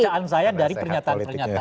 bacaan saya dari pernyataan pernyataan